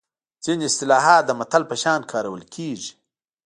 ځینې اصطلاحات د متل په شان کارول کیږي